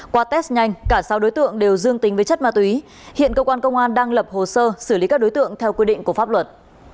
qua test nhanh cả sáu đối tượng đều dương tính với chất ma túy hiện cơ quan công an đang lập hồ sơ xử lý các đối tượng theo quy định của pháp luật